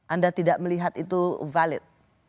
anda tidak melihat itu valid